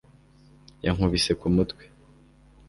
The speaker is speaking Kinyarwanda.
Yankubise ku mutwe